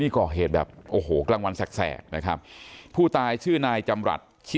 ก็เหตุแบบกลางวัลแสกนะครับภูตายชื่อนายจำรัฐชิ